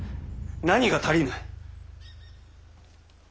何が足りぬ。